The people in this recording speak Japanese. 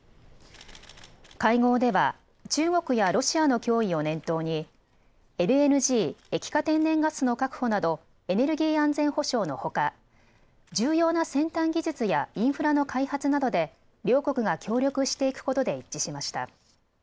会合では中国やロシアの脅威を念頭にＬＮＧ・液化天然ガスの確保などエネルギー安全保障のほか重要な先端技術やインフラの開発などで両国が協力していくことで一致しました。